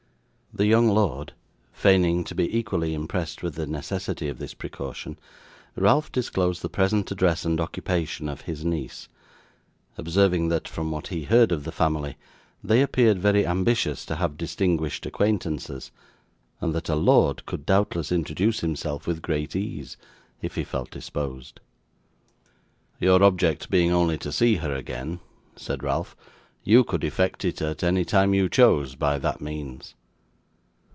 The young lord, feigning to be equally impressed with the necessity of this precaution, Ralph disclosed the present address and occupation of his niece, observing that from what he heard of the family they appeared very ambitious to have distinguished acquaintances, and that a lord could, doubtless, introduce himself with great ease, if he felt disposed. 'Your object being only to see her again,' said Ralph, 'you could effect it at any time you chose by that means.